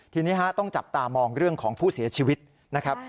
ทีนี้ต้องจับตามองเรื่องของผู้เสียชีวิตนะครับ